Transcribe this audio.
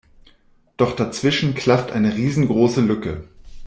Doch dazwischen klafft eine riesengroße Lücke.